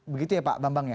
begitu ya pak bambang ya